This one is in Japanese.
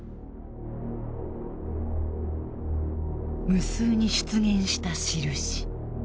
無数に出現した印。